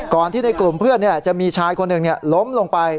ที่ในกลุ่มเพื่อนจะมีชายคนหนึ่งล้มลงไป